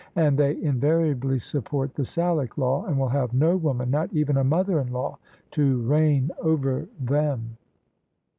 And they invariably support the Salic law, and will have no woman — ^not even a mother in law — to reign over them.